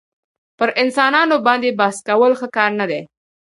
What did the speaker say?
پر انسانانو باندي بحث کول ښه کار نه دئ.